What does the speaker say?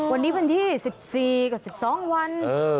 วันนี้เกิดวันที่๑๔กว่า๔๒วัน